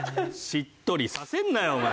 しっとりさせるなよお前。